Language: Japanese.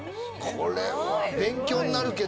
これは勉強になるけど。